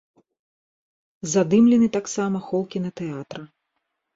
Задымлены таксама хол кінатэатра.